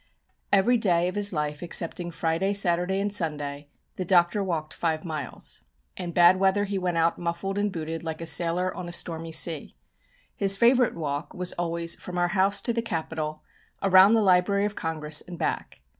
Every day of his life, excepting Friday, Saturday and Sunday, the Doctor walked five miles. In bad weather he went out muffled and booted like a sailor on a stormy sea. His favourite walk was always from our house to the Capitol, around the Library of Congress and back.